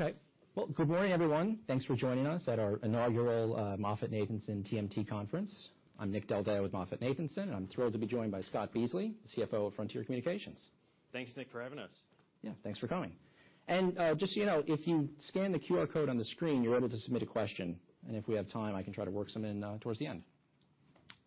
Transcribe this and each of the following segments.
Okay, well, good morning, everyone. Thanks for joining us at our inaugural MoffettNathanson TMT conference. I'm Nick Del Deo with MoffettNathanson, and I'm thrilled to be joined by Scott Beasley, the CFO of Frontier Communications. Thanks, Nick, for having us. Yeah, thanks for coming. And, just so you know, if you scan the QR code on the screen, you're able to submit a question. And if we have time, I can try to work some in, towards the end.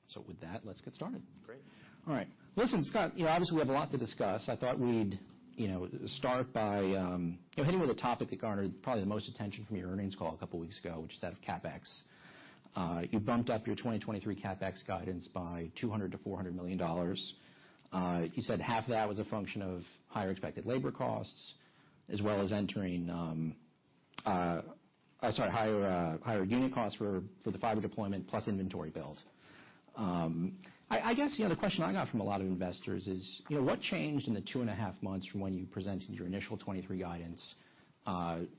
So with that, let's get started. Great. All right. Listen, Scott, you know, obviously we have a lot to discuss. I thought we'd, you know, start by, you know, hitting with a topic that garnered probably the most attention from your earnings call a couple weeks ago, which is that of CapEx. You bumped up your 2023 CapEx guidance by $200 million-$400 million. You said half of that was a function of higher expected labor costs, as well as, sorry, higher unit costs for the fiber deployment plus inventory build. I guess, you know, the question I got from a lot of investors is, you know, what changed in the two and a half months from when you presented your initial 2023 guidance,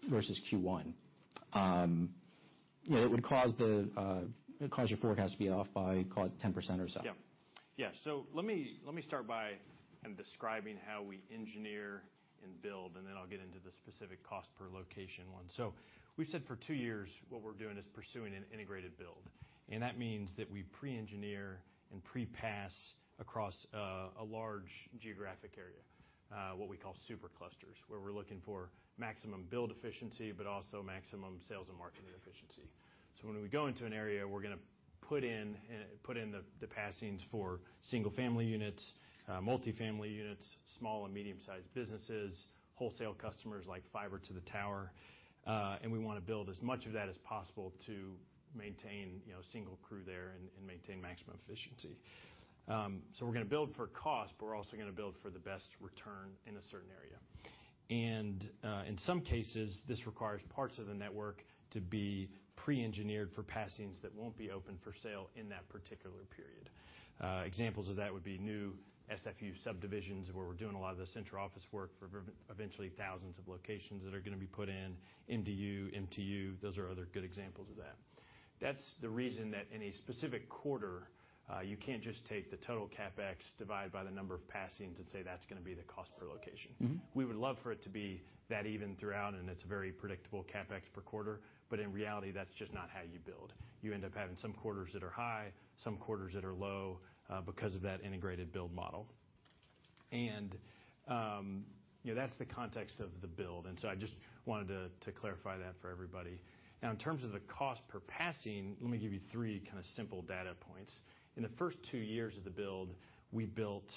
versus Q1, you know, that would cause your forecast to be off by, call it, 10% or so? Yeah, so let me start by describing how we engineer and build, and then I'll get into the specific cost per location one, so we've said for two years what we're doing is pursuing an integrated build, and that means that we pre-engineer and pre-pass across a large geographic area, what we call superclusters, where we're looking for maximum build efficiency but also maximum sales and marketing efficiency, so when we go into an area, we're gonna put in the passings for single-family units, multi-family units, small and medium-sized businesses, wholesale customers like fiber-to-the-tower, and we wanna build as much of that as possible to maintain, you know, single crew there and maintain maximum efficiency, so we're gonna build for cost, but we're also gonna build for the best return in a certain area. In some cases, this requires parts of the network to be pre-engineered for passings that won't be open for sale in that particular period. Examples of that would be new SFU subdivisions where we're doing a lot of the central office work for eventually thousands of locations that are gonna be put in, MDU, MTU. Those are other good examples of that. That's the reason that in a specific quarter, you can't just take the total CapEx, divide by the number of passings, and say that's gonna be the cost per location. Mm-hmm. We would love for it to be that even throughout, and it's a very predictable CapEx per quarter. But in reality, that's just not how you build. You end up having some quarters that are high, some quarters that are low, because of that integrated build model. And, you know, that's the context of the build. And so I just wanted to clarify that for everybody. Now, in terms of the cost per passing, let me give you three kinda simple data points. In the first two years of the build, we built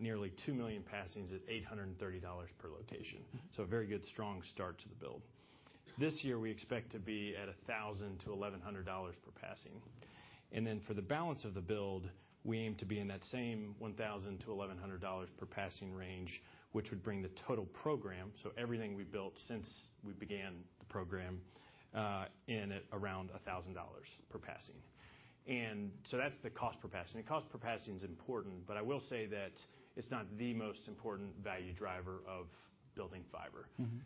nearly two million passings at $830 per location. Mm-hmm. A very good, strong start to the build. This year, we expect to be at $1,000-$1,100 per passing. For the balance of the build, we aim to be in that same $1,000-$1,100 per passing range, which would bring the total program, so everything we built since we began the program, in at around $1,000 per passing. That's the cost per passing. The cost per passing's important, but I will say that it's not the most important value driver of building fiber. Mm-hmm.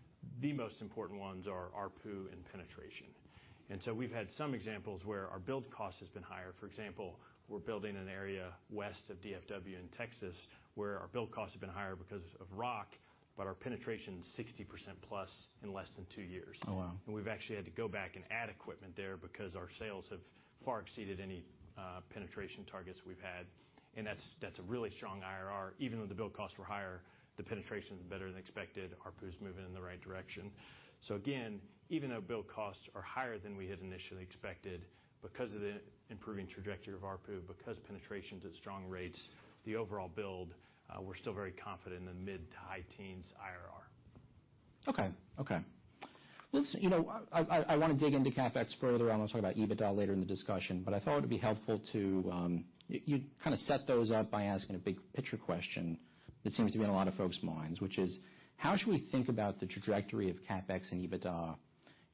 The most important ones are ARPU and penetration, and so we've had some examples where our build cost has been higher. For example, we're building an area west of DFW in Texas where our build costs have been higher because of rock, but our penetration's 60%+ in less than two years. Oh, wow. We've actually had to go back and add equipment there because our sales have far exceeded any penetration targets we've had. That's a really strong IRR. Even though the build costs were higher, the penetration's better than expected. ARPU's moving in the right direction. So again, even though build costs are higher than we had initially expected because of the improving trajectory of ARPU, because penetration's at strong rates, the overall build, we're still very confident in the mid- to high-teens IRR. Okay. Okay. Let's, you know, I wanna dig into CapEx further. I wanna talk about EBITDA later in the discussion. But I thought it would be helpful to kinda set those up by asking a big picture question that seems to be in a lot of folks' minds, which is, how should we think about the trajectory of CapEx and EBITDA,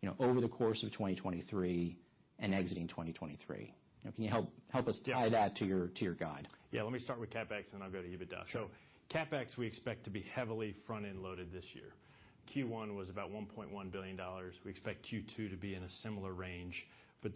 you know, over the course of 2023 and exiting 2023? You know, can you help us tie that to your guide? Yeah. Let me start with CapEx, and I'll go to EBITDA. Sure. CapEx, we expect to be heavily front-end loaded this year. Q1 was about $1.1 billion. We expect Q2 to be in a similar range.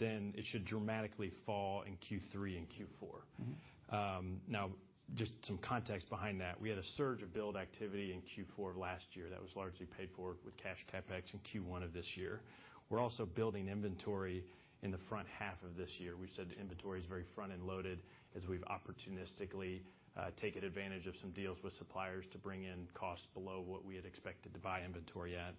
Then it should dramatically fall in Q3 and Q4. Mm-hmm. Now, just some context behind that. We had a surge of build activity in Q4 of last year that was largely paid for with cash CapEx in Q1 of this year. We're also building inventory in the front half of this year. We've said the inventory's very front-end loaded as we've opportunistically taken advantage of some deals with suppliers to bring in costs below what we had expected to buy inventory at.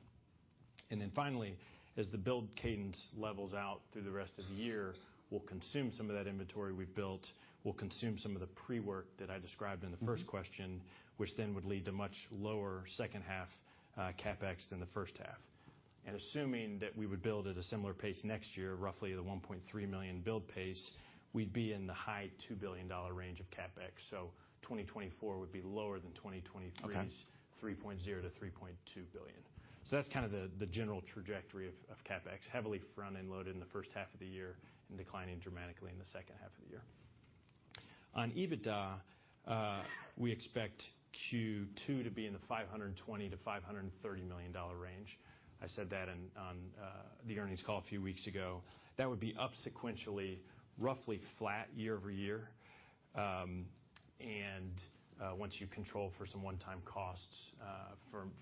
And then finally, as the build cadence levels out through the rest of the year, we'll consume some of that inventory we've built. We'll consume some of the pre-work that I described in the first question, which then would lead to much lower second half CapEx than the first half. And assuming that we would build at a similar pace next year, roughly the 1.3 million build pace, we'd be in the high $2 billion range of CapEx. 2024 would be lower than 2023's. Okay. $3.0-$3.2 billion, so that's kinda the general trajectory of CapEx. Heavily front-end loaded in the first half of the year and declining dramatically in the second half of the year. On EBITDA, we expect Q2 to be in the $520 million-$530 million range. I said that on the earnings call a few weeks ago. That would be up sequentially, roughly flat year-over-year, and once you control for some one-time costs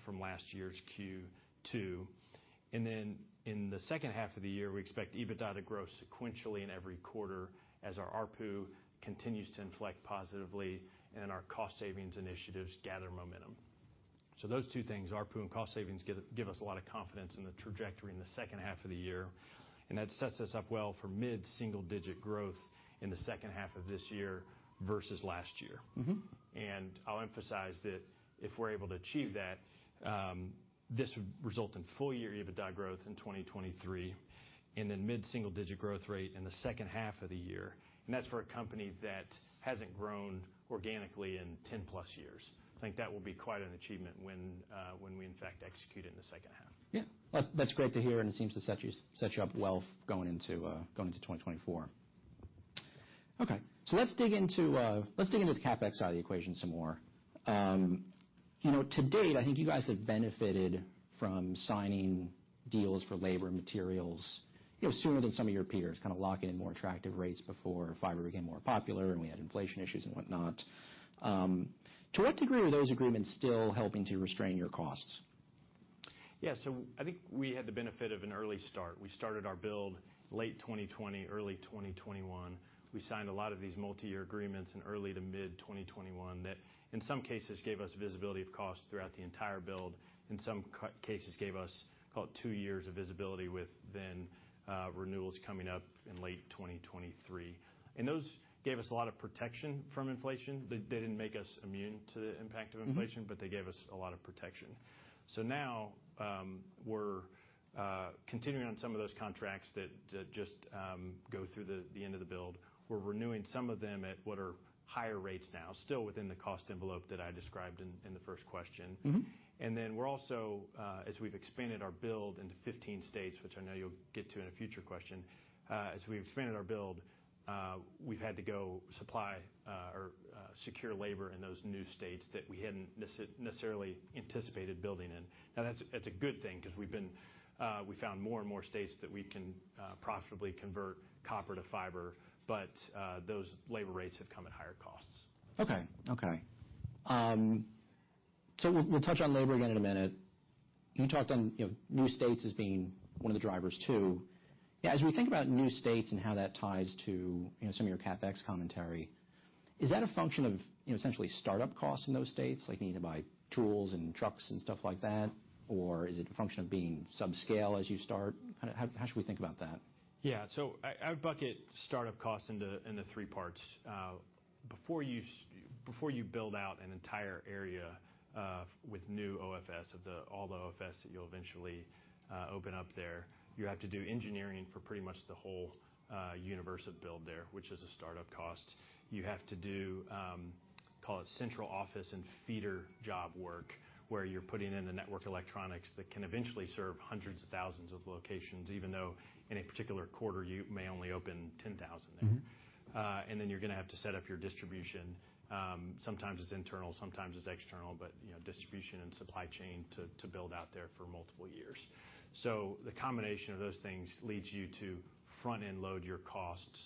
from last year's Q2. And then in the second half of the year, we expect EBITDA to grow sequentially in every quarter as our ARPU continues to inflect positively and our cost savings initiatives gather momentum, so those two things, ARPU and cost savings, give us a lot of confidence in the trajectory in the second half of the year. That sets us up well for mid-single-digit growth in the second half of this year versus last year. Mm-hmm. I'll emphasize that if we're able to achieve that, this would result in full-year EBITDA growth in 2023 and then mid-single-digit growth rate in the second half of the year. That's for a company that hasn't grown organically in 10+ years. I think that will be quite an achievement when we, in fact, execute it in the second half. Yeah. That's great to hear. And it seems to set you up well going into 2024. Okay. So let's dig into the CapEx side of the equation some more. You know, to date, I think you guys have benefited from signing deals for labor and materials, you know, sooner than some of your peers, kinda locking in more attractive rates before fiber became more popular and we had inflation issues and whatnot. To what degree are those agreements still helping to restrain your costs? Yeah. So I think we had the benefit of an early start. We started our build late 2020, early 2021. We signed a lot of these multi-year agreements in early to mid-2021 that, in some cases, gave us visibility of costs throughout the entire build. In some cases, gave us, call it, two years of visibility with then renewals coming up in late 2023. And those gave us a lot of protection from inflation. They, they didn't make us immune to the impact of inflation. Mm-hmm. But they gave us a lot of protection. So now, we're continuing on some of those contracts that just go through the end of the build. We're renewing some of them at what are higher rates now, still within the cost envelope that I described in the first question. Mm-hmm. Then we're also, as we've expanded our build into 15 states, which I know you'll get to in a future question, as we've expanded our build, we've had to secure labor in those new states that we hadn't necessarily anticipated building in. Now, that's a good thing 'cause we found more and more states that we can profitably convert copper to fiber. But those labor rates have come at higher costs. Okay, so we'll touch on labor again in a minute. You talked on, you know, new states as being one of the drivers too. Yeah. As we think about new states and how that ties to, you know, some of your CapEx commentary, is that a function of, you know, essentially startup costs in those states, like needing to buy tools and trucks and stuff like that? Or is it a function of being subscale as you start? Kinda how should we think about that? Yeah. So I would bucket startup costs into three parts. Before you build out an entire area, with new OFS, of all the OFS that you'll eventually open up there, you have to do engineering for pretty much the whole universe of build there, which is a startup cost. You have to do, call it central office and feeder job work where you're putting in the network electronics that can eventually serve hundreds of thousands of locations, even though in a particular quarter, you may only open 10,000 there. Mm-hmm. And then you're gonna have to set up your distribution. Sometimes it's internal, sometimes it's external, but, you know, distribution and supply chain to build out there for multiple years. So the combination of those things leads you to front-end load your costs,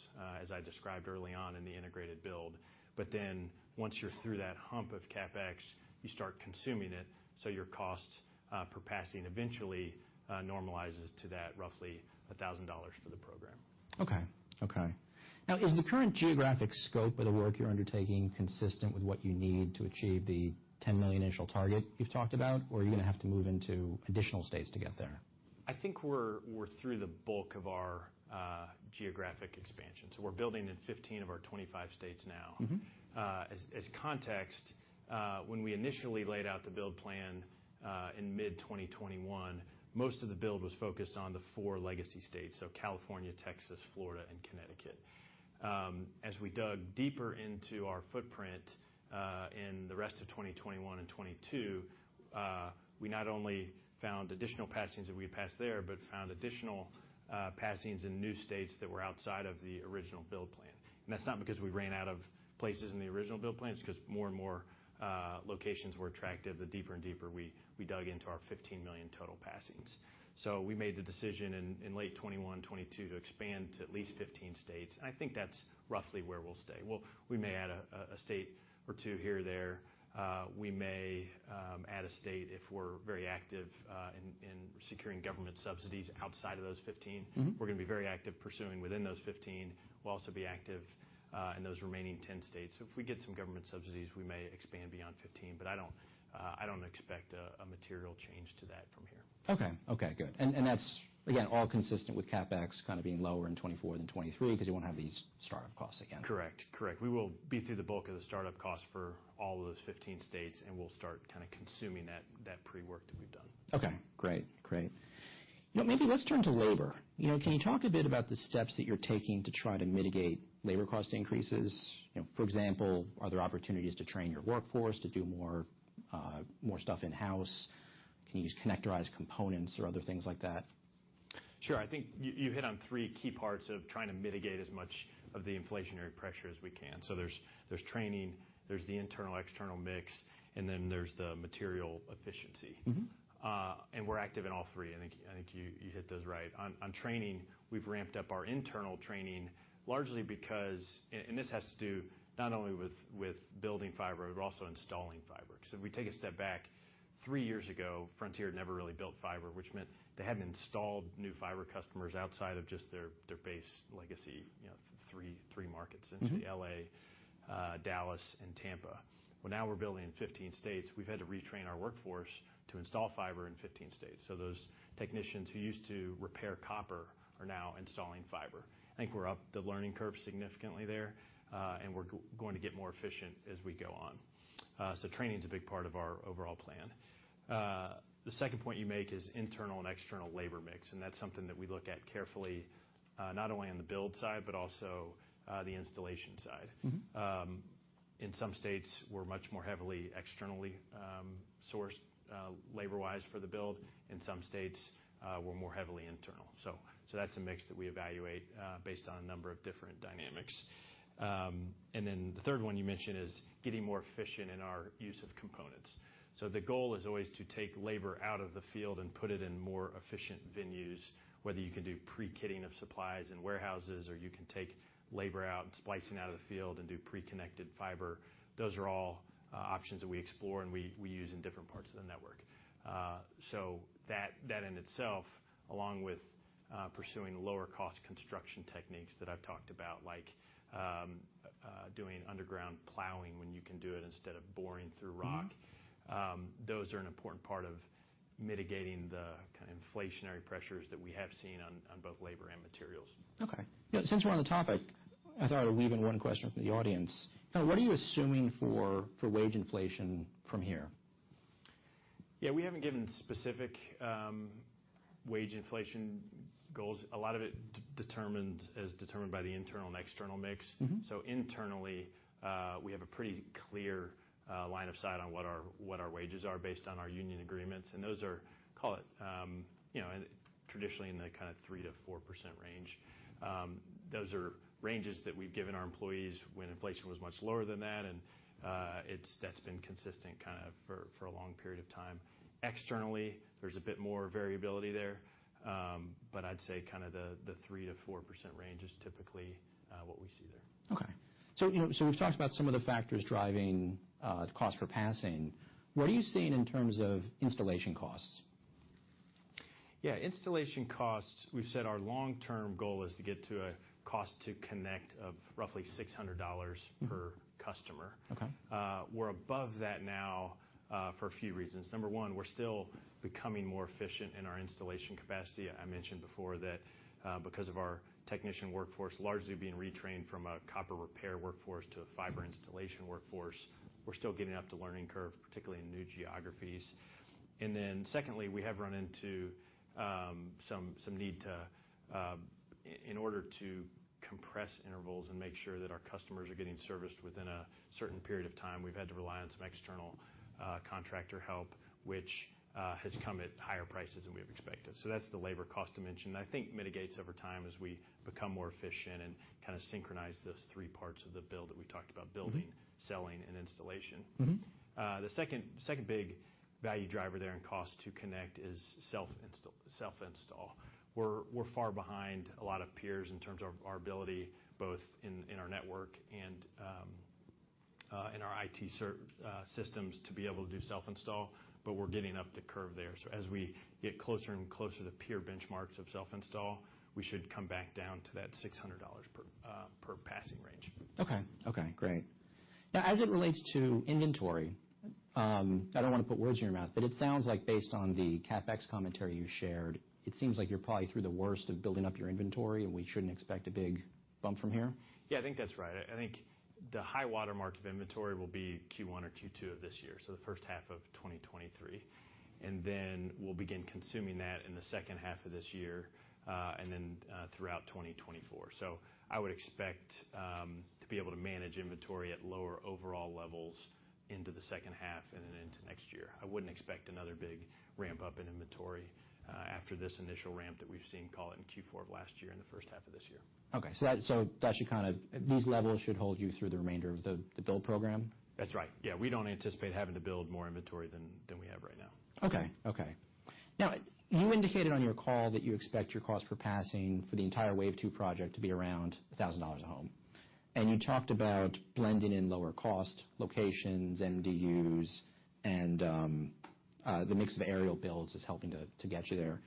as I described early on in the integrated build. But then once you're through that hump of CapEx, you start consuming it. So your costs per passing eventually normalizes to that roughly $1,000 for the program. Okay. Now, is the current geographic scope of the work you're undertaking consistent with what you need to achieve the 10 million initial target you've talked about? Or are you gonna have to move into additional states to get there? I think we're through the bulk of our geographic expansion. So we're building in 15 of our 25 states now. Mm-hmm. As context, when we initially laid out the build plan, in mid-2021, most of the build was focused on the four legacy states, so California, Texas, Florida, and Connecticut. As we dug deeper into our footprint, in the rest of 2021 and 2022, we not only found additional passings that we had passed there but found additional passings in new states that were outside of the original build plan. That's not because we ran out of places in the original build plan. It's 'cause more and more locations were attractive the deeper and deeper we dug into our 15 million total passings. We made the decision in late 2021, 2022 to expand to at least 15 states. I think that's roughly where we'll stay. We may add a state or two here or there. We may add a state if we're very active in securing government subsidies outside of those 15. Mm-hmm. We're gonna be very active pursuing within those 15. We'll also be active in those remaining 10 states. So if we get some government subsidies, we may expand beyond 15. But I don't expect a material change to that from here. Okay. Good. And that's, again, all consistent with CapEx kinda being lower in 2024 than 2023 'cause you won't have these startup costs again. Correct. Correct. We will be through the bulk of the startup costs for all of those 15 states, and we'll start kinda consuming that, that pre-work that we've done. Okay. Great. Great. You know, maybe let's turn to labor. You know, can you talk a bit about the steps that you're taking to try to mitigate labor cost increases? You know, for example, are there opportunities to train your workforce to do more stuff in-house? Can you use connectorized components or other things like that? Sure. I think you hit on three key parts of trying to mitigate as much of the inflationary pressure as we can. So there's training, there's the internal-external mix, and then there's the material efficiency. Mm-hmm. And we're active in all three. I think you hit those right. On training, we've ramped up our internal training largely because and this has to do not only with building fiber but also installing fiber. 'Cause if we take a step back, three years ago, Frontier had never really built fiber, which meant they hadn't installed new fiber customers outside of just their base legacy, you know, three markets into LA. Mm-hmm. Dallas and Tampa. Now we're building in 15 states. We've had to retrain our workforce to install fiber in 15 states. So those technicians who used to repair copper are now installing fiber. I think we're up the learning curve significantly there, and we're going to get more efficient as we go on. So training's a big part of our overall plan. The second point you make is internal and external labor mix. And that's something that we look at carefully, not only on the build side but also the installation side. Mm-hmm. In some states, we're much more heavily externally sourced, labor-wise for the build. In some states, we're more heavily internal. So that's a mix that we evaluate based on a number of different dynamics. And then the third one you mentioned is getting more efficient in our use of components. So the goal is always to take labor out of the field and put it in more efficient venues, whether you can do pre-kitting of supplies in warehouses or you can take labor out and splicing out of the field and do pre-connected fiber. Those are all options that we explore and we use in different parts of the network. So that in itself, along with pursuing lower-cost construction techniques that I've talked about, like doing underground plowing when you can do it instead of boring through rock. Mm-hmm. Those are an important part of mitigating the kinda inflationary pressures that we have seen on, on both labor and materials. Okay. Yeah. Since we're on the topic, I thought I'd leave in one question from the audience. You know, what are you assuming for wage inflation from here? Yeah. We haven't given specific wage inflation goals. A lot of it is determined by the internal and external mix. Mm-hmm. So internally, we have a pretty clear line of sight on what our wages are based on our union agreements. And those are, call it, you know, in traditionally in the kinda 3%-4% range. Those are ranges that we've given our employees when inflation was much lower than that. And it's been consistent kinda for a long period of time. Externally, there's a bit more variability there. But I'd say kinda the 3%-4% range is typically what we see there. Okay. So, you know, so we've talked about some of the factors driving the cost per passing. What are you seeing in terms of installation costs? Yeah. Installation costs, we've said our long-term goal is to get to a cost to connect of roughly $600 per customer. Okay. We're above that now, for a few reasons. Number one, we're still becoming more efficient in our installation capacity. I mentioned before that, because of our technician workforce largely being retrained from a copper repair workforce to a fiber installation workforce, we're still getting up to learning curve, particularly in new geographies. And then secondly, we have run into some need to, in order to compress intervals and make sure that our customers are getting serviced within a certain period of time, we've had to rely on some external contractor help, which has come at higher prices than we've expected. So that's the labor cost dimension that I think mitigates over time as we become more efficient and kinda synchronize those three parts of the build that we talked about: building, selling, and installation. Mm-hmm. The second big value driver there in cost to connect is self-install, self-install. We're far behind a lot of peers in terms of our ability, both in our network and in our IT systems to be able to do self-install. But we're getting up the curve there. So as we get closer and closer to peer benchmarks of self-install, we should come back down to that $600 per passing range. Okay. Okay. Great. Now, as it relates to inventory, I don't wanna put words in your mouth, but it sounds like based on the CapEx commentary you shared, it seems like you're probably through the worst of building up your inventory, and we shouldn't expect a big bump from here. Yeah. I think that's right. I think the high watermark of inventory will be Q1 or Q2 of this year, so the first half of 2023, and then we'll begin consuming that in the second half of this year, and then throughout 2024. So I would expect to be able to manage inventory at lower overall levels into the second half and then into next year. I wouldn't expect another big ramp-up in inventory after this initial ramp that we've seen, call it, in Q4 of last year and the first half of this year. Okay. So that should kind of, these levels should hold you through the remainder of the build program? That's right. Yeah. We don't anticipate having to build more inventory than we have right now. Okay. Okay. Now, you indicated on your call that you expect your cost per passing for the entire Wave 2 project to be around $1,000 a home. You talked about blending in lower cost locations, MDUs, and the mix of aerial builds is helping to get you there.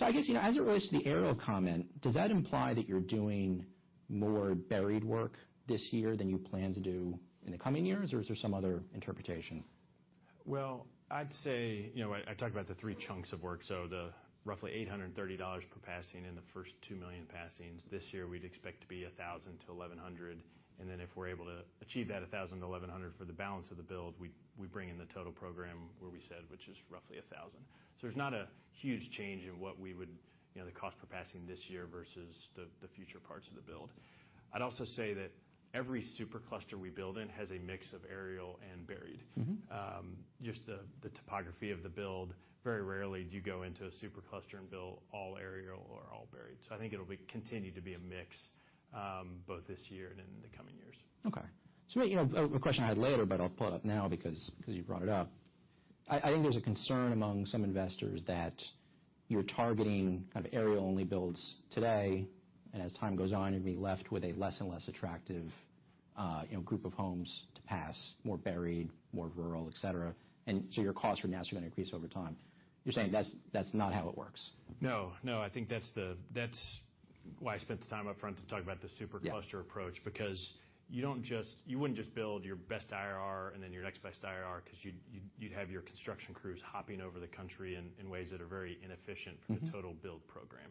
I guess, you know, as it relates to the aerial comment, does that imply that you are doing more buried work this year than you plan to do in the coming years, or is there some other interpretation? I'd say, you know, I talked about the three chunks of work. The roughly $830 per passing in the first 2 million passings this year, we'd expect to be $1,000-$1,100. And then if we're able to achieve that $1,000-$1,100 for the balance of the build, we bring in the total program where we said, which is roughly $1,000. There's not a huge change in what we would, you know, the cost per passing this year versus the future parts of the build. I'd also say that every supercluster we build in has a mix of aerial and buried. Mm-hmm. Just the topography of the build. Very rarely do you go into a supercluster and build all aerial or all buried. So I think it'll continue to be a mix, both this year and in the coming years. Okay. So maybe, you know, a question I had later, but I'll pull it up now because you brought it up. I think there's a concern among some investors that you're targeting kind of aerial-only builds today. And as time goes on, you're gonna be left with a less and less attractive, you know, group of homes to pass: more buried, more rural, etc. And so your costs are naturally gonna increase over time. You're saying that's not how it works? No. No. I think that's the, that's why I spent the time upfront to talk about the supercluster approach. Yeah. Because you wouldn't just build your best IRR and then your next best IRR 'cause you'd have your construction crews hopping over the country in ways that are very inefficient for the total build program,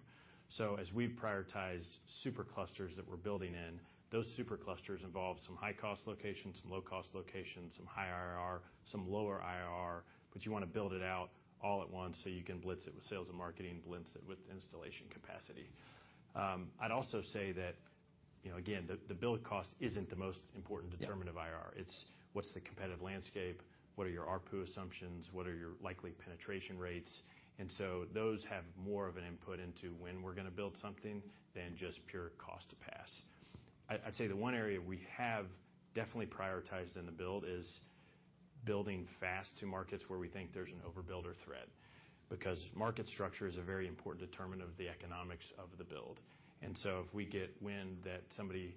so as we've prioritized superclusters that we're building in, those superclusters involve some high-cost locations, some low-cost locations, some high IRR, some lower IRR, but you wanna build it out all at once so you can blitz it with sales and marketing, blitz it with installation capacity. I'd also say that, you know, again, the build cost isn't the most important determinative IRR. Mm-hmm. It's what's the competitive landscape? What are your ARPU assumptions? What are your likely penetration rates? And so those have more of an input into when we're gonna build something than just pure cost to pass. I'd say the one area we have definitely prioritized in the build is building fast to markets where we think there's an overbuilder threat because market structure is a very important determinant of the economics of the build. And so if we get wind that somebody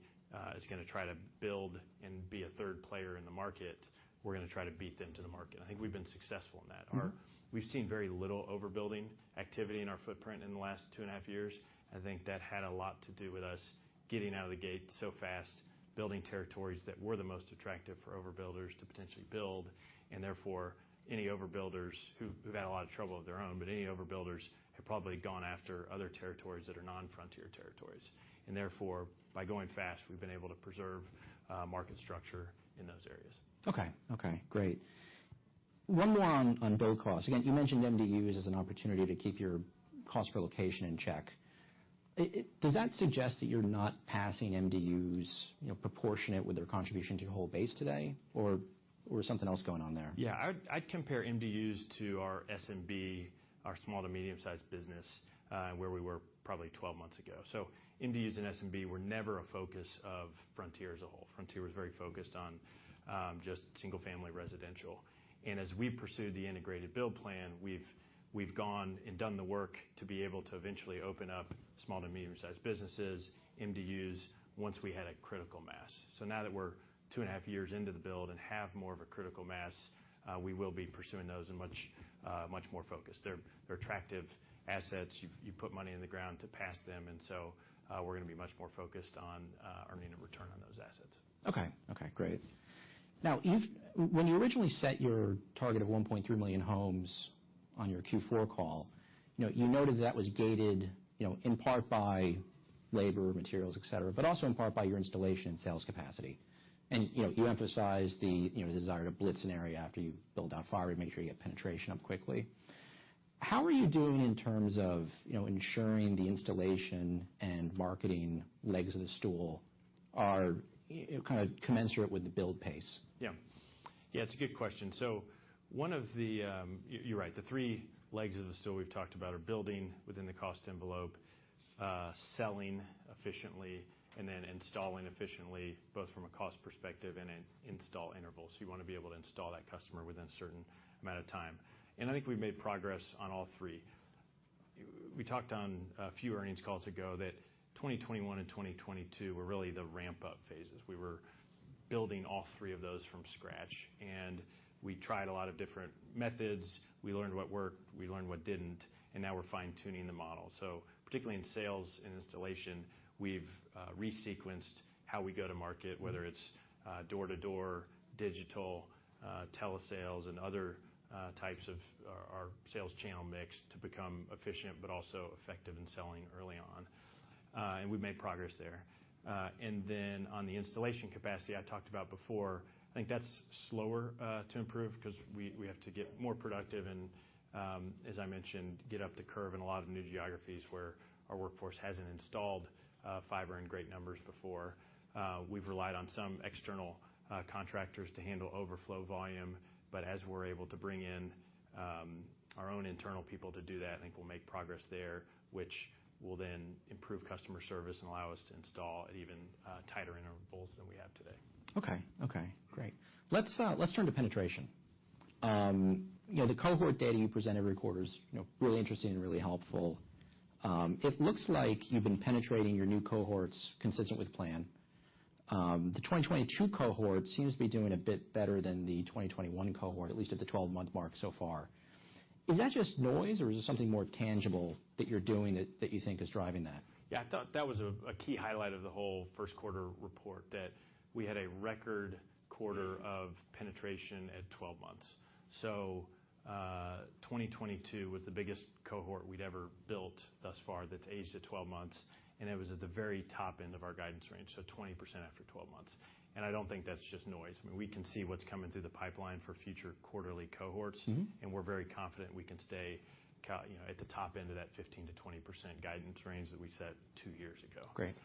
is gonna try to build and be a third player in the market, we're gonna try to beat them to the market. I think we've been successful in that. Mm-hmm. We've seen very little overbuilding activity in our footprint in the last two and a half years. I think that had a lot to do with us getting out of the gate so fast, building territories that were the most attractive for overbuilders to potentially build. And therefore, any overbuilders who've had a lot of trouble of their own, but any overbuilders have probably gone after other territories that are non-Frontier territories. And therefore, by going fast, we've been able to preserve market structure in those areas. Okay. Great. One more on build costs. Again, you mentioned MDUs as an opportunity to keep your cost per location in check. It does that suggest that you're not passing MDUs, you know, proportionate with their contribution to your whole base today, or something else going on there? Yeah. I'd compare MDUs to our SMB, our small to medium-sized business, where we were probably 12 months ago. So MDUs and SMB were never a focus of Frontier as a whole. Frontier was very focused on just single-family residential. And as we pursued the integrated build plan, we've gone and done the work to be able to eventually open up small to medium-sized businesses, MDUs, once we had a critical mass. So now that we're two and a half years into the build and have more of a critical mass, we will be pursuing those in much, much more focus. They're attractive assets. You put money in the ground to pass them. And so, we're gonna be much more focused on earning a return on those assets. Okay. Okay. Great. Now, you've, when you originally set your target of 1.3 million homes on your Q4 call, you know, you noted that that was gated, you know, in part by labor, materials, etc., but also in part by your installation and sales capacity. And, you know, you emphasized the, you know, the desire to blitz an area after you build out fiber to make sure you get penetration up quickly. How are you doing in terms of, you know, ensuring the installation and marketing legs of the stool are, you know, kinda commensurate with the build pace? Yeah. Yeah. It's a good question, so one of the, you, you're right. The three legs of the stool we've talked about are building within the cost envelope, selling efficiently, and then installing efficiently, both from a cost perspective and an install interval, so you wanna be able to install that customer within a certain amount of time. And I think we've made progress on all three. We talked on a few earnings calls ago that 2021 and 2022 were really the ramp-up phases. We were building all three of those from scratch, and we tried a lot of different methods. We learned what worked. We learned what didn't, and now we're fine-tuning the model. So, particularly in sales and installation, we've resequenced how we go to market, whether it's door-to-door, digital, telesales, and other types of our sales channel mix to become efficient but also effective in selling early on. And we've made progress there. And then, on the installation capacity I talked about before, I think that's slower to improve 'cause we have to get more productive and, as I mentioned, get up the curve in a lot of new geographies where our workforce hasn't installed fiber in great numbers before. We've relied on some external contractors to handle overflow volume. But as we're able to bring in our own internal people to do that, I think we'll make progress there, which will then improve customer service and allow us to install at even tighter intervals than we have today. Okay. Okay. Great. Let's, let's turn to penetration. You know, the cohort data you presented to reporters, you know, really interesting and really helpful. It looks like you've been penetrating your new cohorts consistent with plan. The 2022 cohort seems to be doing a bit better than the 2021 cohort, at least at the 12-month mark so far. Is that just noise, or is there something more tangible that you're doing that, that you think is driving that? Yeah. That was a key highlight of the whole first quarter report, that we had a record quarter of penetration at 12 months. So, 2022 was the biggest cohort we'd ever built thus far that's aged at 12 months. And it was at the very top end of our guidance range, so 20% after 12 months. And I don't think that's just noise. I mean, we can see what's coming through the pipeline for future quarterly cohorts. Mm-hmm. We're very confident we can stay, you know, at the top end of that 15%-20% guidance range that we set two years ago. Great.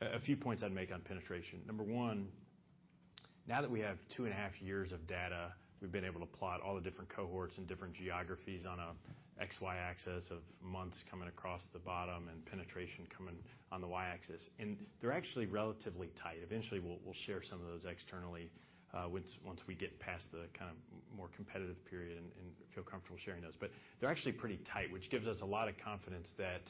A few points I'd make on penetration. Number one, now that we have two and a half years of data, we've been able to plot all the different cohorts and different geographies on a XY axis of months coming across the bottom and penetration coming on the Y axis. They're actually relatively tight. Eventually, we'll share some of those externally, once we get past the kind of more competitive period and feel comfortable sharing those. But they're actually pretty tight, which gives us a lot of confidence that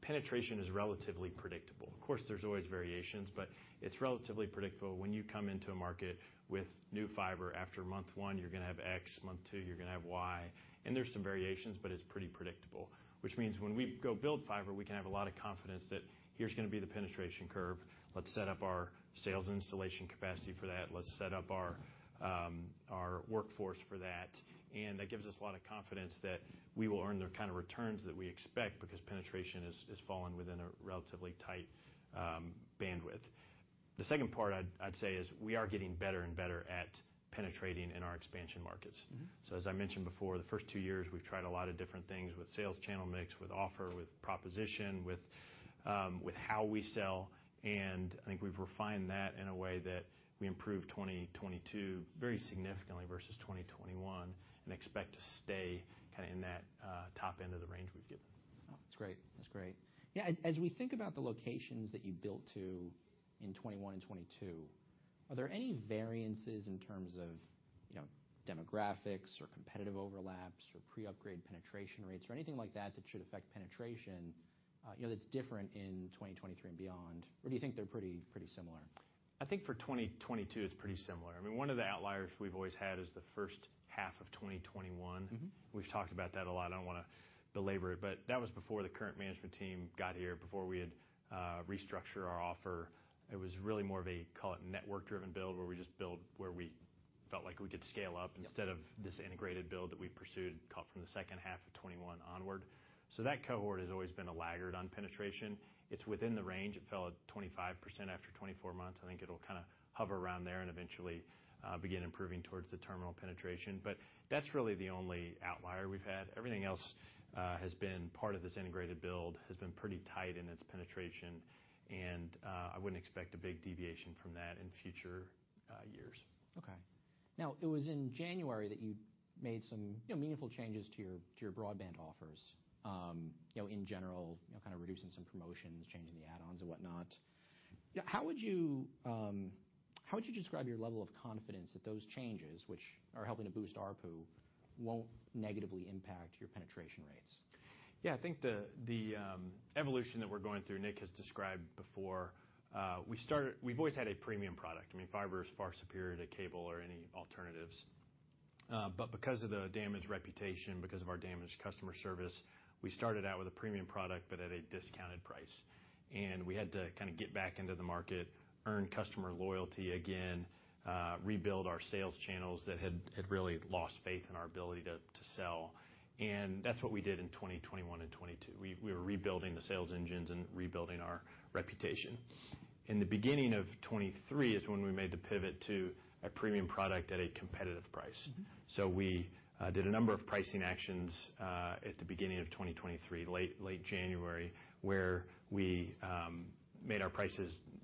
penetration is relatively predictable. Of course, there's always variations, but it's relatively predictable. When you come into a market with new fiber after month one, you're gonna have X. Month two, you're gonna have Y. And there's some variations, but it's pretty predictable, which means when we go build fiber, we can have a lot of confidence that here's gonna be the penetration curve. Let's set up our sales installation capacity for that. Let's set up our workforce for that. And that gives us a lot of confidence that we will earn the kind of returns that we expect because penetration is falling within a relatively tight bandwidth. The second part, I'd say is we are getting better and better at penetrating in our expansion markets. Mm-hmm. So as I mentioned before, the first two years, we've tried a lot of different things with sales channel mix, with offer, with proposition, with how we sell. And I think we've refined that in a way that we improved 2022 very significantly versus 2021 and expect to stay kinda in that top end of the range we've given. Oh, that's great. That's great. Yeah. As we think about the locations that you built to in 2021 and 2022, are there any variances in terms of, you know, demographics or competitive overlaps or pre-upgrade penetration rates or anything like that that should affect penetration, you know, that's different in 2023 and beyond? Or do you think they're pretty, pretty similar? I think for 2022, it's pretty similar. I mean, one of the outliers we've always had is the first half of 2021. Mm-hmm. We've talked about that a lot. I don't wanna belabor it, but that was before the current management team got here, before we had restructured our offer. It was really more of a call it network-driven build where we just build where we felt like we could scale up. Yeah. Instead of this integrated build that we pursued starting from the second half of 2021 onward, so that cohort has always been a laggard on penetration. It's within the range. It fell at 25% after 24 months. I think it'll kinda hover around there and eventually begin improving towards the terminal penetration, but that's really the only outlier we've had. Everything else has been part of this integrated build and has been pretty tight in its penetration, and I wouldn't expect a big deviation from that in future years. Okay. Now, it was in January that you made some, you know, meaningful changes to your broadband offers, you know, in general, you know, kinda reducing some promotions, changing the add-ons and whatnot. You know, how would you describe your level of confidence that those changes, which are helping to boost ARPU, won't negatively impact your penetration rates? Yeah. I think the evolution that we're going through, Nick has described before. We've always had a premium product. I mean, fiber is far superior to cable or any alternatives, but because of the damaged reputation, because of our damaged customer service, we started out with a premium product but at a discounted price, and we had to kinda get back into the market, earn customer loyalty again, rebuild our sales channels that had really lost faith in our ability to sell, and that's what we did in 2021 and 2022. We were rebuilding the sales engines and rebuilding our reputation. In the beginning of 2023 is when we made the pivot to a premium product at a competitive price. Mm-hmm. We did a number of pricing actions at the beginning of 2023, late January, where we made our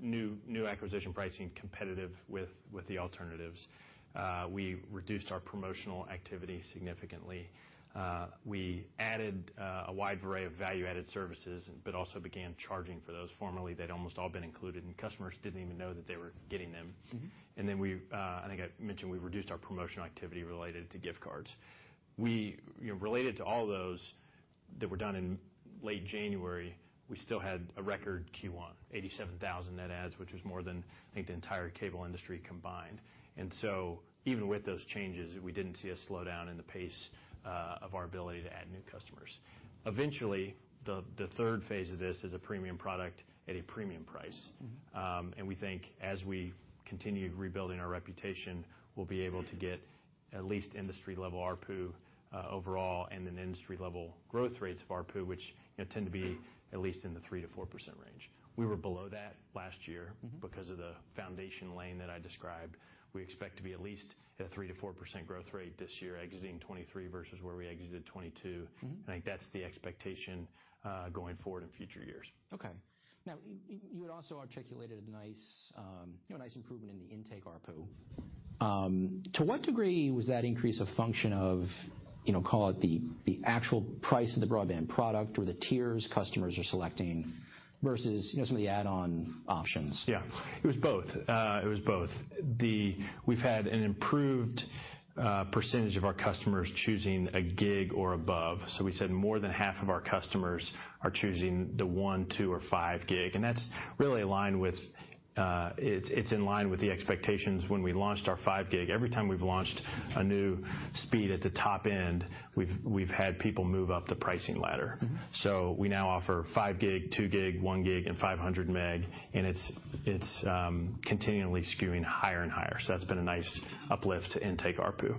new acquisition pricing competitive with the alternatives. We reduced our promotional activity significantly. We added a wide array of value-added services, but also began charging for those. Formerly, they'd almost all been included, and customers didn't even know that they were getting them. Mm-hmm. And then we, I think I mentioned, we reduced our promotional activity related to gift cards. We, you know, related to all those that were done in late January, we still had a record Q1, 87,000 net adds, which was more than, I think, the entire cable industry combined. And so even with those changes, we didn't see a slowdown in the pace of our ability to add new customers. Eventually, the third phase of this is a premium product at a premium price. Mm-hmm. And we think as we continue rebuilding our reputation, we'll be able to get at least industry-level ARPU, overall, and then industry-level growth rates of ARPU, which, you know, tend to be at least in the 3%-4% range. We were below that last year. Mm-hmm. Because of the foundation lane that I described. We expect to be at least at a 3%-4% growth rate this year, exiting 2023 versus where we exited 2022. Mm-hmm. I think that's the expectation, going forward in future years. Okay. Now, you had also articulated a nice, you know, a nice improvement in the intake ARPU. To what degree was that increase a function of, you know, call it the actual price of the broadband product or the tiers customers are selecting versus, you know, some of the add-on options? Yeah. It was both. It was both. We've had an improved percentage of our customers choosing a gig or above. So we said more than half of our customers are choosing the one, two, or five gig. And that's really aligned with. It's, it's in line with the expectations when we launched our five gig. Every time we've launched a new speed at the top end, we've, we've had people move up the pricing ladder. Mm-hmm. So we now offer five gig, two gig, one gig, and 500 meg. And it's continually skewing higher and higher. So that's been a nice uplift to intake ARPU.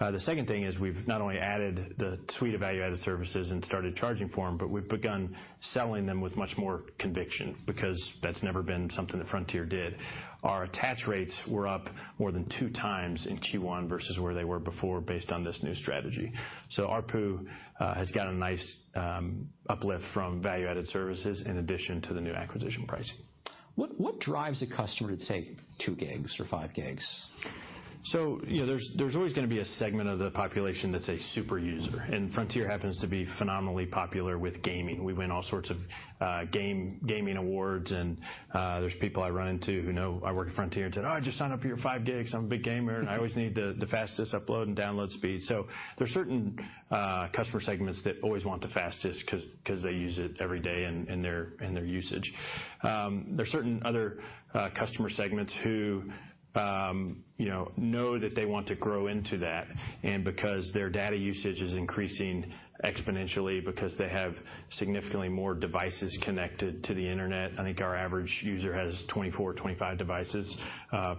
The second thing is we've not only added the suite of value-added services and started charging for them, but we've begun selling them with much more conviction because that's never been something that Frontier did. Our attach rates were up more than two times in Q1 versus where they were before based on this new strategy. So ARPU has gotten a nice uplift from value-added services in addition to the new acquisition pricing. What drives a customer to take two gigs or five gigs? So, you know, there's always gonna be a segment of the population that's a super user. And Frontier happens to be phenomenally popular with gaming. We win all sorts of gaming awards. And there's people I run into who know I work at Frontier and said, "Oh, I just signed up for your five gigs. I'm a big gamer. And I always need the fastest upload and download speed." So there's certain customer segments that always want the fastest 'cause they use it every day in their usage. There's certain other customer segments who, you know, know that they want to grow into that. And because their data usage is increasing exponentially, because they have significantly more devices connected to the internet, I think our average user has 24-25 devices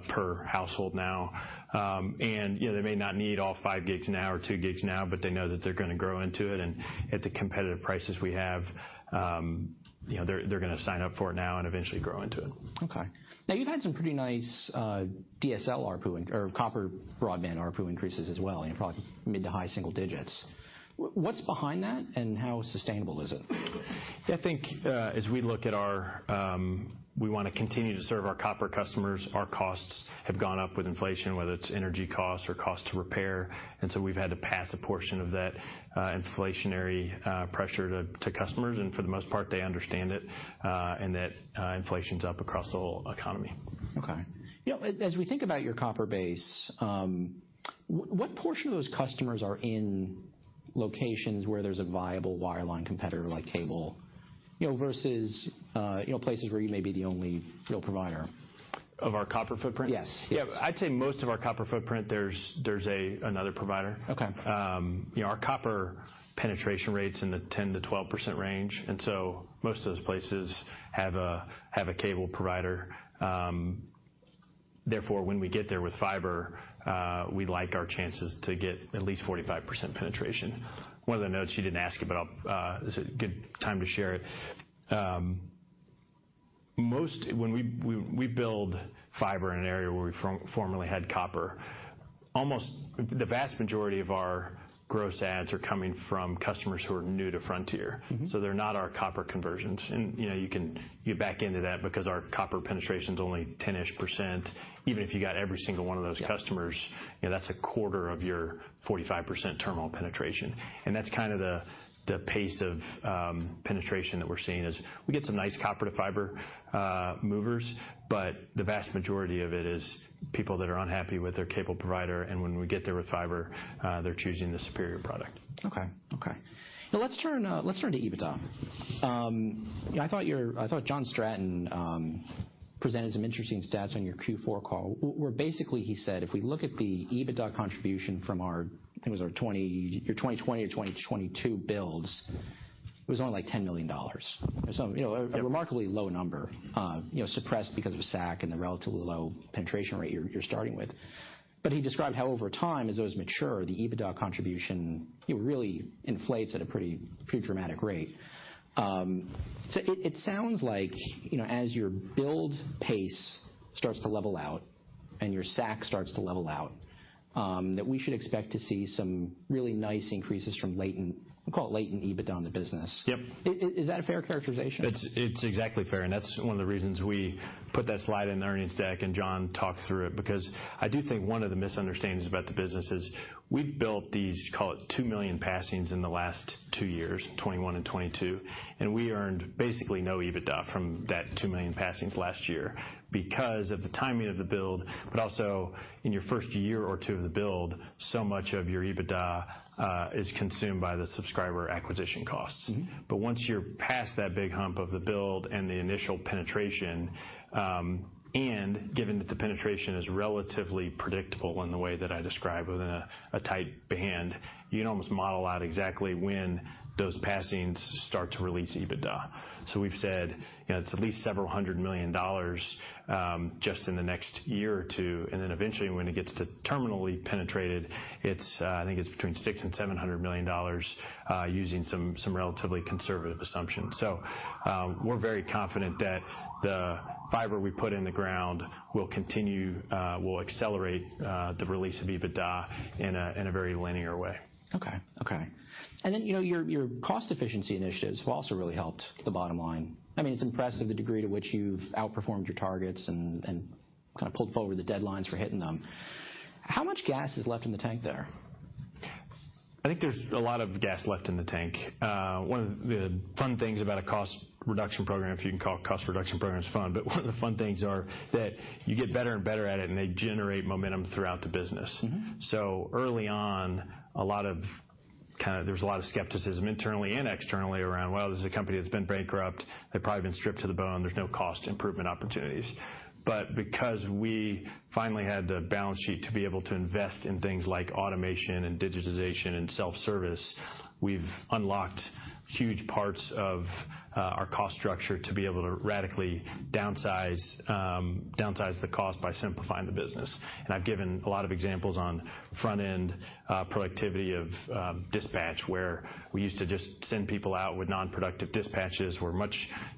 per household now. And, you know, they may not need all five gigs now or two gigs now, but they know that they're gonna grow into it. And at the competitive prices we have, you know, they're gonna sign up for it now and eventually grow into it. Okay. Now, you've had some pretty nice DSL ARPU and or copper broadband ARPU increases as well, you know, probably mid to high single digits. What's behind that, and how sustainable is it? Yeah. I think as we look at our, we wanna continue to serve our copper customers. Our costs have gone up with inflation, whether it's energy costs or cost to repair. And so we've had to pass a portion of that inflationary pressure to customers. And for the most part, they understand it, and that inflation's up across the whole economy. Okay. You know, as we think about your copper base, what portion of those customers are in locations where there's a viable wireline competitor like cable, you know, versus, you know, places where you may be the only real provider? Of our copper footprint? Yes. Yeah. I'd say most of our copper footprint, there's another provider. Okay. You know, our copper penetration rate's in the 10%-12% range. And so most of those places have a cable provider. Therefore, when we get there with fiber, we like our chances to get at least 45% penetration. One of the notes you didn't ask about, is it a good time to share it? Most when we build fiber in an area where we formerly had copper, almost the vast majority of our gross ads are coming from customers who are new to Frontier. Mm-hmm. They're not our copper conversions. You know, you can get back into that because our copper penetration's only 10-ish%. Even if you got every single one of those customers, you know, that's a quarter of your 45% terminal penetration. That's kinda the pace of penetration that we're seeing. We get some nice copper to fiber movers, but the vast majority of it is people that are unhappy with their cable provider. When we get there with fiber, they're choosing the superior product. Okay. Now, let's turn to EBITDA. You know, I thought John Stratton presented some interesting stats on your Q4 call. Where basically he said if we look at the EBITDA contribution from our, I think it was our 2020 to 2022 builds, it was only like $10 million. It was, you know, a remarkably low number, you know, suppressed because of SAC and the relatively low penetration rate you're starting with. But he described how over time, as those mature, the EBITDA contribution, you know, really inflates at a pretty dramatic rate. So it sounds like, you know, as your build pace starts to level out and your SAC starts to level out, that we should expect to see some really nice increases from latent, we'll call it latent EBITDA in the business. Yep. Is that a fair characterization? It's, it's exactly fair, and that's one of the reasons we put that slide in the earnings deck and John talked through it because I do think one of the misunderstandings about the business is we've built these, call it, 2 million passings in the last two years, 2021 and 2022. And we earned basically no EBITDA from that 2 million passings last year because of the timing of the build, but also in your first year or two of the build, so much of your EBITDA is consumed by the subscriber acquisition costs. Mm-hmm. But once you're past that big hump of the build and the initial penetration, and given that the penetration is relatively predictable in the way that I described within a tight band, you can almost model out exactly when those passings start to release EBITDA. So we've said, you know, it's at least several hundred million dollars, just in the next year or two. And then eventually, when it gets to terminally penetrated, it's, I think it's between six and seven hundred million dollars, using some relatively conservative assumptions. So, we're very confident that the fiber we put in the ground will continue, will accelerate, the release of EBITDA in a very linear way. Then, you know, your cost efficiency initiatives have also really helped the bottom line. I mean, it's impressive the degree to which you've outperformed your targets and kinda pulled forward the deadlines for hitting them. How much gas is left in the tank there? I think there's a lot of gas left in the tank. One of the fun things about a cost reduction program, if you can call it cost reduction program, it's fun, but one of the fun things are that you get better and better at it, and they generate momentum throughout the business. Mm-hmm. So early on, a lot of kinda there was a lot of skepticism internally and externally around, "Well, this is a company that's been bankrupt. They've probably been stripped to the bone. There's no cost improvement opportunities." But because we finally had the balance sheet to be able to invest in things like automation and digitization and self-service, we've unlocked huge parts of our cost structure to be able to radically downsize the cost by simplifying the business. And I've given a lot of examples on front-end productivity of dispatch where we used to just send people out with non-productive dispatches. We're much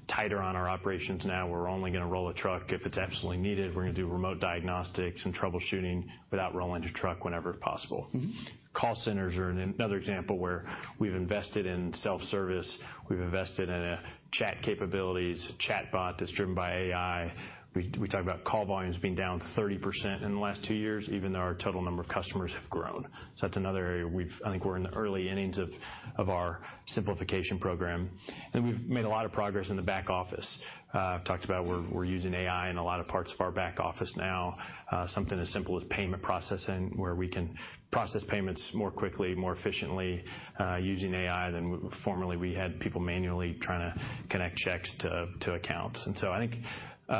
tighter on our operations now. We're only gonna roll a truck if it's absolutely needed. We're gonna do remote diagnostics and troubleshooting without rolling the truck whenever possible. Mm-hmm. Call centers are another example where we've invested in self-service. We've invested in chat capabilities, chatbot that's driven by AI. We talk about call volumes being down 30% in the last two years, even though our total number of customers have grown. So that's another area we've. I think we're in the early innings of our simplification program. And we've made a lot of progress in the back office. I've talked about. We're using AI in a lot of parts of our back office now, something as simple as payment processing where we can process payments more quickly, more efficiently, using AI than we formerly had people manually trying to connect checks to accounts. And so I think, you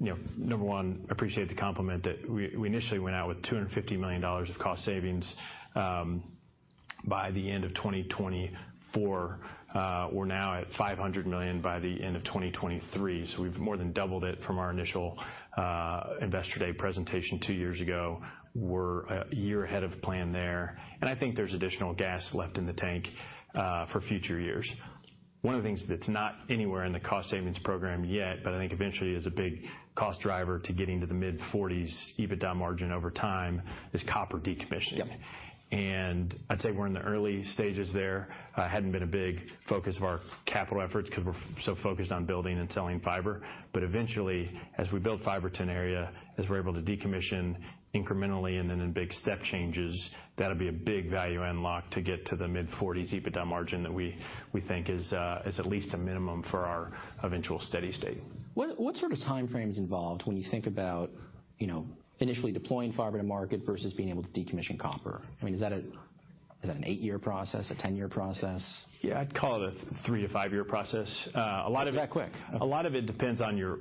know, number one, appreciate the compliment that we initially went out with $250 million of cost savings by the end of 2024. We're now at $500 million by the end of 2023. So we've more than doubled it from our initial Investor Day presentation two years ago. We're a year ahead of plan there. And I think there's additional gas left in the tank for future years. One of the things that's not anywhere in the cost savings program yet, but I think eventually is a big cost driver to getting to the mid-40s% EBITDA margin over time is copper decommissioning. Yep. I'd say we're in the early stages there. It hadn't been a big focus of our capital efforts 'cause we're so focused on building and selling fiber. Eventually, as we build fiber to an area, as we're able to decommission incrementally and then in big step changes, that'll be a big value unlock to get to the mid-40s EBITDA margin that we think is at least a minimum for our eventual steady state. What sort of timeframe is involved when you think about, you know, initially deploying fiber to market versus being able to decommission copper? I mean, is that an eight-year process, a 10-year process? Yeah. I'd call it a three-to-five-year process. A lot of it. That quick. A lot of it depends on your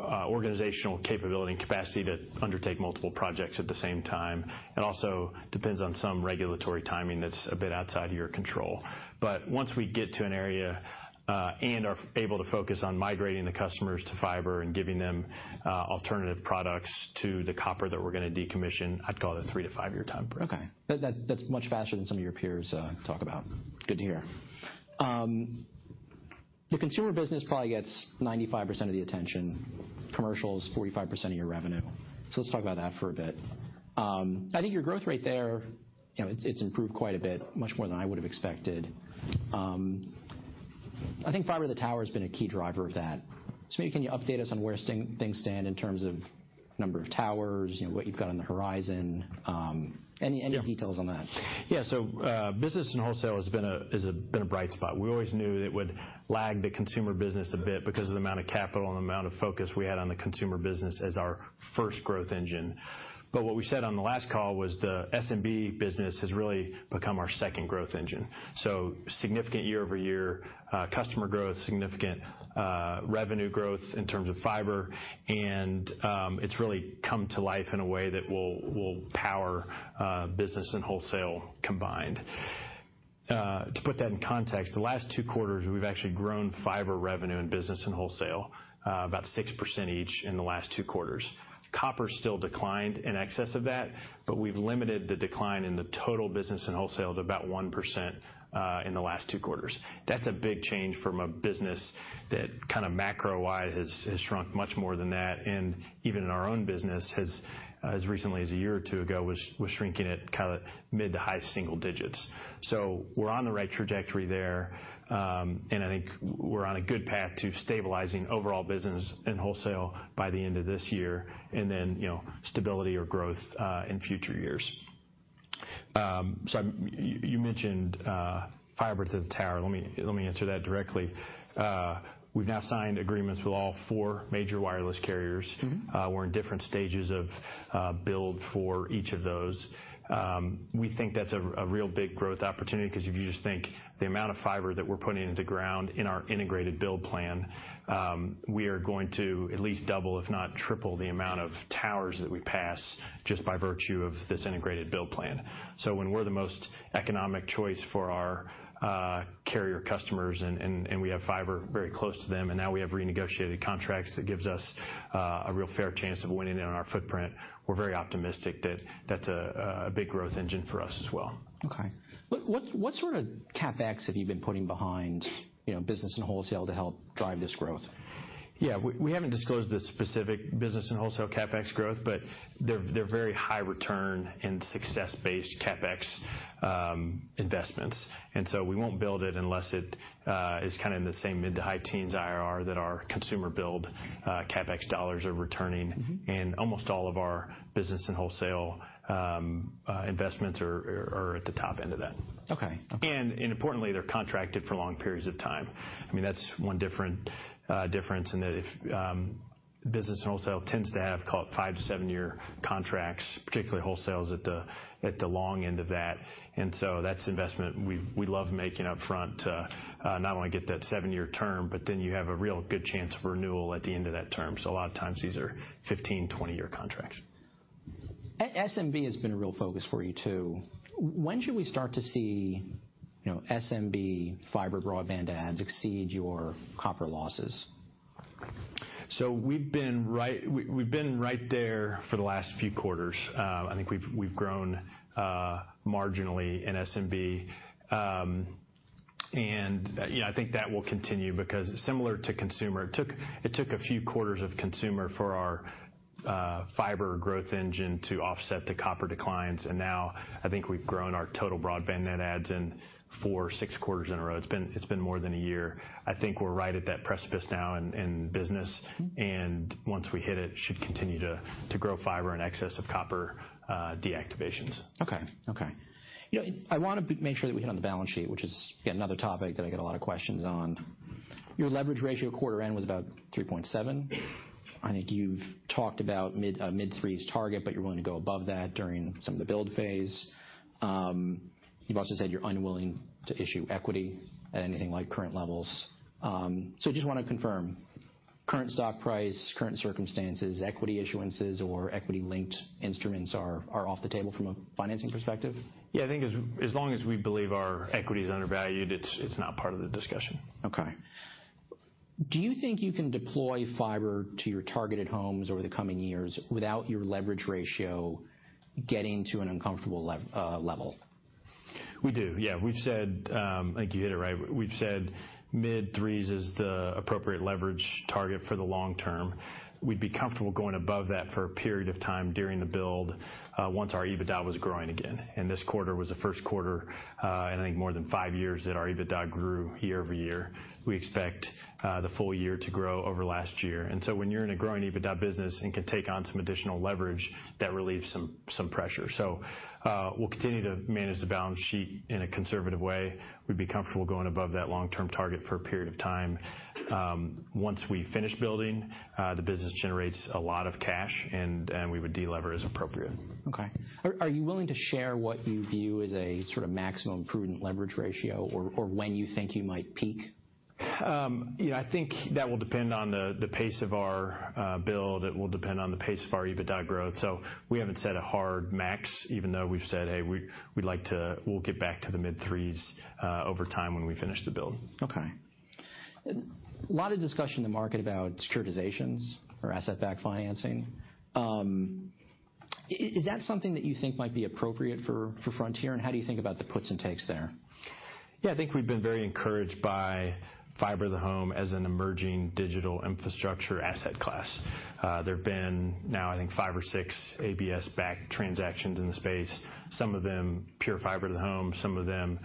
organizational capability and capacity to undertake multiple projects at the same time. It also depends on some regulatory timing that's a bit outside of your control. But once we get to an area, and are able to focus on migrating the customers to fiber and giving them alternative products to the copper that we're gonna decommission, I'd call it a three to five-year timeframe. Okay. That, that's much faster than some of your peers talk about. Good to hear. The consumer business probably gets 95% of the attention. Commercial's 45% of your revenue. So let's talk about that for a bit. I think your growth rate there, you know, it's improved quite a bit, much more than I would've expected. I think fiber to tower has been a key driver of that. So maybe can you update us on where things stand in terms of number of towers, you know, what you've got on the horizon? Any details on that? Yeah. So, business and wholesale has been a bright spot. We always knew it would lag the consumer business a bit because of the amount of capital and the amount of focus we had on the consumer business as our first growth engine. But what we said on the last call was the SMB business has really become our second growth engine. So significant year-over-year customer growth, significant revenue growth in terms of fiber. And, it's really come to life in a way that will power business and wholesale combined. To put that in context, the last two quarters, we've actually grown fiber revenue in business and wholesale about 6% each in the last two quarters. Copper still declined in excess of that, but we've limited the decline in the total business and wholesale to about 1% in the last two quarters. That's a big change from a business that kinda macro-wise has shrunk much more than that. And even in our own business, as recently as a year or two ago, was shrinking at kinda mid to high single digits. So we're on the right trajectory there. And I think we're on a good path to stabilizing overall business and wholesale by the end of this year. And then, you know, stability or growth in future years. So, you mentioned fiber-to-the-tower. Let me answer that directly. We've now signed agreements with all four major wireless carriers. Mm-hmm. We're in different stages of build for each of those. We think that's a real big growth opportunity 'cause if you just think the amount of fiber that we're putting into ground in our integrated build plan, we are going to at least double, if not triple, the amount of towers that we pass just by virtue of this integrated build plan. So when we're the most economic choice for our carrier customers and we have fiber very close to them, and now we have renegotiated contracts that gives us a real fair chance of winning on our footprint, we're very optimistic that that's a big growth engine for us as well. Okay. What sort of CapEx have you been putting behind, you know, business and wholesale to help drive this growth? Yeah. We haven't disclosed the specific business and wholesale CapEx growth, but they're very high return and success-based CapEx investments. And so we won't build it unless it is kinda in the same mid- to high-teens IRR that our consumer build CapEx dollars are returning. Mm-hmm. Almost all of our business and wholesale investments are at the top end of that. Okay. Okay. And importantly, they're contracted for long periods of time. I mean, that's one difference in that if business and wholesale tends to have call it five to seven-year contracts, particularly wholesale at the long end of that. And so that's investment we love making upfront to not only get that seven-year term, but then you have a real good chance of renewal at the end of that term. So a lot of times these are 15 year-20-year contracts. SMB has been a real focus for you too. When should we start to see, you know, SMB fiber broadband adds exceed your copper losses? We've been right there for the last few quarters. I think we've grown marginally in SMB. You know, I think that will continue because similar to consumer, it took a few quarters of consumer for our fiber growth engine to offset the copper declines. Now I think we've grown our total broadband net adds in four, six quarters in a row. It's been more than a year. I think we're right at that precipice now in business. Mm-hmm. And once we hit it, should continue to grow fiber in excess of copper deactivations. Okay. You know, I wanna make sure that we hit on the balance sheet, which is, again, another topic that I get a lot of questions on. Your leverage ratio quarter end was about 3.7. I think you've talked about mid-threes target, but you're willing to go above that during some of the build phase. You've also said you're unwilling to issue equity at anything like current levels. So I just wanna confirm, current stock price, current circumstances, equity issuances, or equity-linked instruments are off the table from a financing perspective? Yeah. I think as long as we believe our equity's undervalued, it's not part of the discussion. Okay. Do you think you can deploy fiber to your targeted homes over the coming years without your leverage ratio getting to an uncomfortable level? We do. Yeah. We've said, I think you hit it right. We've said mid-threes is the appropriate leverage target for the long term. We'd be comfortable going above that for a period of time during the build, once our EBITDA was growing again. And this quarter was the first quarter, and I think more than five years that our EBITDA grew year-over-year. We expect the full year to grow over last year. And so when you're in a growing EBITDA business and can take on some additional leverage, that relieves some pressure. So, we'll continue to manage the balance sheet in a conservative way. We'd be comfortable going above that long-term target for a period of time once we finish building. The business generates a lot of cash, and we would deleverage appropriately. Okay. Are you willing to share what you view as a sort of maximum prudent leverage ratio or when you think you might peak? You know, I think that will depend on the pace of our build. It will depend on the pace of our EBITDA growth. So we haven't set a hard max, even though we've said, "Hey, we'd like to. We'll get back to the mid-threes, over time when we finish the build. Okay. A lot of discussion in the market about securitizations or asset-backed financing. Is that something that you think might be appropriate for, for Frontier? And how do you think about the puts and takes there? Yeah. I think we've been very encouraged by fiber to the home as an emerging digital infrastructure asset class. There've been now, I think, five or six ABS-backed transactions in the space. Some of them pure fiber to the home. Some of them,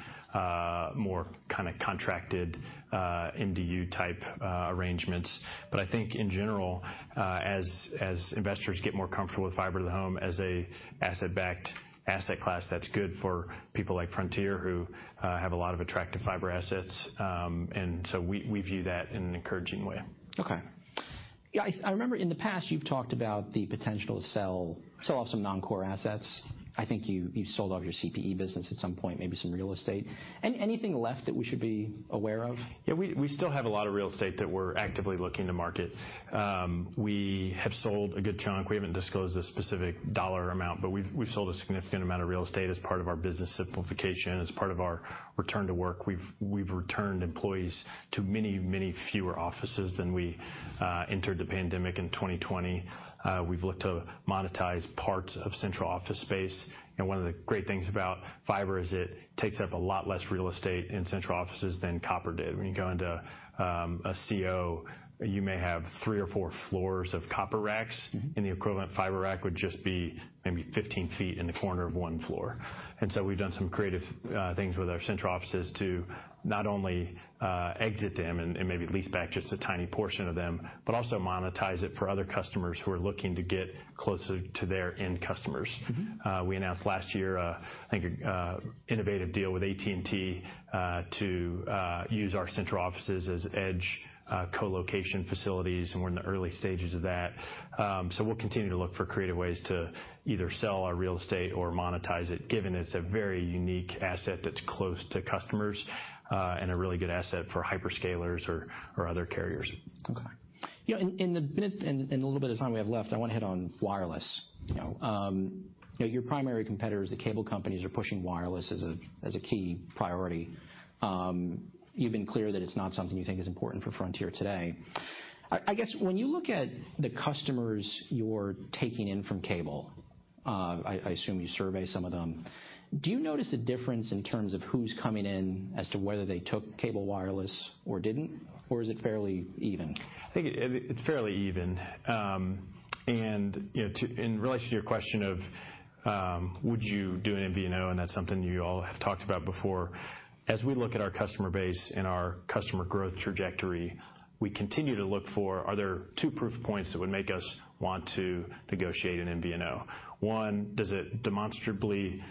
more kinda contracted, MDU type, arrangements. But I think in general, as investors get more comfortable with fiber to the home as a asset-backed asset class, that's good for people like Frontier who have a lot of attractive fiber assets, and so we view that in an encouraging way. Okay. Yeah. I remember in the past you've talked about the potential to sell off some non-core assets. I think you've sold off your CPE business at some point, maybe some real estate. Anything left that we should be aware of? Yeah. We still have a lot of real estate that we're actively looking to market. We have sold a good chunk. We haven't disclosed a specific dollar amount, but we've sold a significant amount of real estate as part of our business simplification, as part of our return to work. We've returned employees to many, many fewer offices than we entered the pandemic in 2020. We've looked to monetize parts of central office space, and one of the great things about fiber is it takes up a lot less real estate in central offices than copper did. When you go into a CO, you may have three or four floors of copper racks. Mm-hmm. The equivalent fiber rack would just be maybe 15 feet in the corner of one floor. So we've done some creative things with our central offices to not only exit them and maybe lease back just a tiny portion of them, but also monetize it for other customers who are looking to get closer to their end customers. Mm-hmm. We announced last year a, I think, innovative deal with AT&T to use our central offices as edge co-location facilities, and we're in the early stages of that, so we'll continue to look for creative ways to either sell our real estate or monetize it, given it's a very unique asset that's close to customers, and a really good asset for hyperscalers or other carriers. Okay. You know, in the minute and a little bit of time we have left, I wanna hit on wireless, you know. You know, your primary competitors, the cable companies, are pushing wireless as a key priority. You've been clear that it's not something you think is important for Frontier today. I guess when you look at the customers you're taking in from cable, I assume you survey some of them, do you notice a difference in terms of who's coming in as to whether they took cable wireless or didn't? Or is it fairly even? I think it's fairly even. You know, in relation to your question of would you do an MVNO, and that's something you all have talked about before, as we look at our customer base and our customer growth trajectory, we continue to look for: are there two proof points that would make us want to negotiate an MVNO? One, does it demonstrably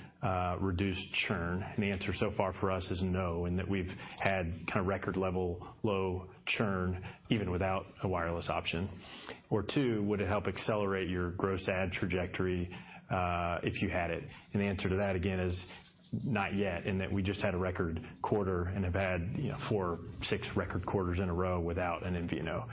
reduce churn? And the answer so far for us is no, in that we've had kinda record-level low churn even without a wireless option. Or two, would it help accelerate our gross add trajectory, if you had it? And the answer to that again is not yet, in that we just had a record quarter and have had, you know, four, six record quarters in a row without an MVNO.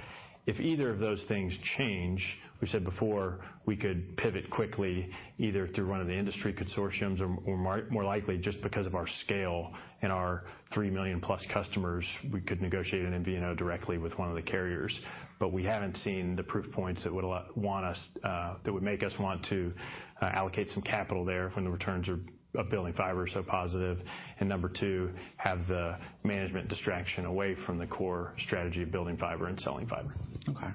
If either of those things change, we said before we could pivot quickly either through one of the industry consortiums or, more likely just because of our scale and our three million-plus customers, we could negotiate an MVNO directly with one of the carriers. But we haven't seen the proof points that would all want us, that would make us want to allocate some capital there when the returns of building fiber are so positive. And number two, have the management distraction away from the core strategy of building fiber and selling fiber. Okay.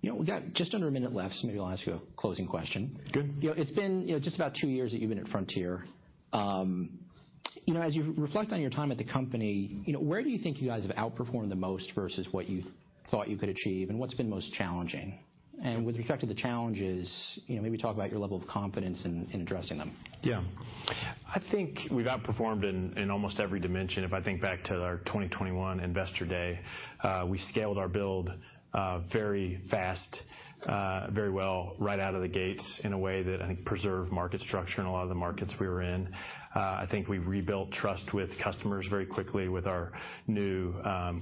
You know, we got just under a minute left, so maybe I'll ask you a closing question. Good. You know, it's been, you know, just about two years that you've been at Frontier. You know, as you reflect on your time at the company, you know, where do you think you guys have outperformed the most versus what you thought you could achieve, and what's been most challenging? And with respect to the challenges, you know, maybe talk about your level of confidence in addressing them. Yeah. I think we've outperformed in almost every dimension. If I think back to our 2021 Investor Day, we scaled our build very fast, very well right out of the gates in a way that I think preserved market structure in a lot of the markets we were in. I think we rebuilt trust with customers very quickly with our new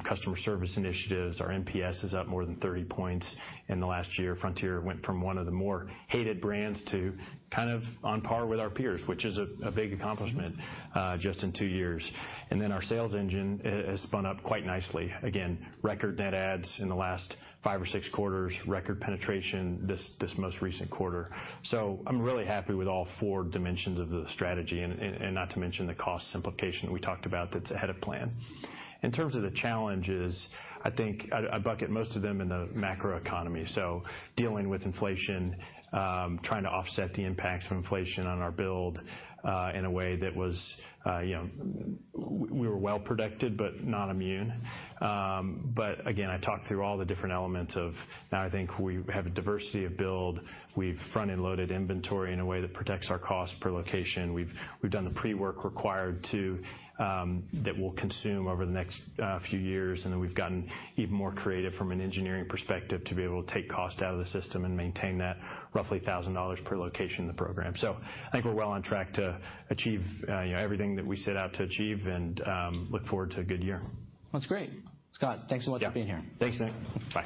customer service initiatives. Our NPS is up more than 30 points in the last year. Frontier went from one of the more hated brands to kind of on par with our peers, which is a big accomplishment, just in two years. And then our sales engine has spun up quite nicely. Again, record net adds in the last five or six quarters, record penetration this most recent quarter. So I'm really happy with all four dimensions of the strategy, and not to mention the cost simplification that we talked about that's ahead of plan. In terms of the challenges, I think I bucket most of them in the macroeconomy. So dealing with inflation, trying to offset the impacts of inflation on our build, in a way that was, you know, we were well-protected but not immune. But again, I talked through all the different elements of now I think we have a diversity of build. We've front-end loaded inventory in a way that protects our cost per location. We've done the pre-work required to, that we'll consume over the next few years. And then we've gotten even more creative from an engineering perspective to be able to take cost out of the system and maintain that roughly $1,000 per location in the program. I think we're well on track to achieve, you know, everything that we set out to achieve and look forward to a good year. That's great. Scott, thanks so much for being here. Yeah. Thanks, Nick. Bye.